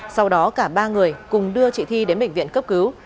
sau đó cả ba người cùng đưa chị thi đến bệnh viện cấp cứu